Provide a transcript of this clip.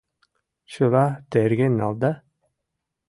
— Чыла терген налда?